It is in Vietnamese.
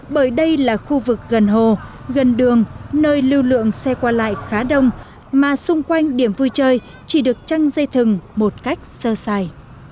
bởi đây là khu vực gần hồ gần đường nơi lưu lượng xe qua lại khá đông mà xung quanh điểm vui chơi chỉ được trăng dây thừng một cách sơ sài